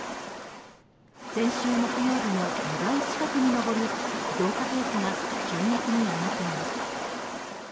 先週木曜日の２倍近くに上り増加ペースが急激に上がっています。